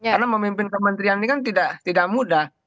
karena memimpin kementerian ini kan tidak mudah